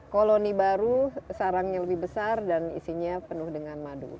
koloni baru sarangnya lebih besar dan isinya penuh dengan madu